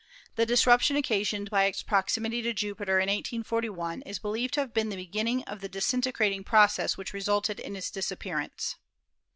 The disruption occasioned by its proximity to Jupiter in 1841 is believed to have been the beginning of the dis integrating process which resisted in its disappearance.